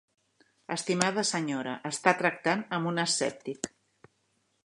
Estimada senyora, està tractant amb un escèptic.